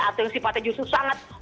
atau yang sifatnya justru sangat